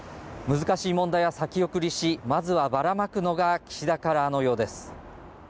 難しい問題は先送りしまずはばら撒くのが岸田カラーのようです